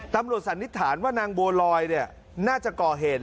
สันนิษฐานว่านางบัวลอยน่าจะก่อเหตุ